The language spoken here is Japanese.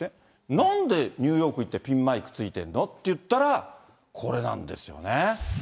なんでニューヨークいってピンマイクついてんの？っていったら、これなんですよね。